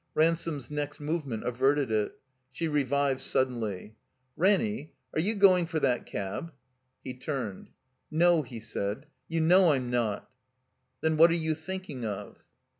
Ransome's neact movement averted it. She re vived suddenly. "Ranny — are you going for that cab?" He turned. ''No," he said. "You know Tm not.' *'Then, what are you thinking of?"